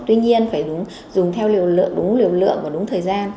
tuy nhiên phải dùng theo liều lượng đúng liều lượng và đúng thời gian